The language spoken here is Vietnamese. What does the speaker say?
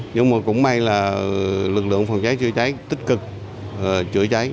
nhưng mà cũng may là lực lượng phòng cháy chữa cháy tích cực chữa cháy